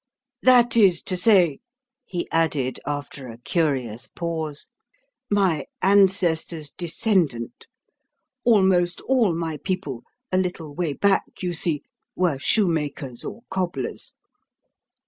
"That is to say," he added after a curious pause, "my ancestor's descendant. Almost all my people, a little way back, you see, were shoe makers or cobblers."